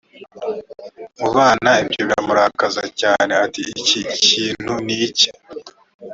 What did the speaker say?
mu bana ibyo biramurakaza cyane ati iki kintu ni iki